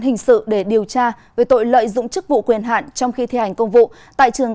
hình sự để điều tra về tội lợi dụng chức vụ quyền hạn trong khi thi hành công vụ tại trường